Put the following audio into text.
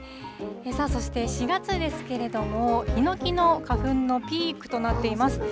さあ、そして４月ですけれども、ヒノキの花粉のピークとなっています。